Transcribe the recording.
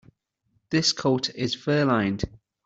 This coat is fur-lined.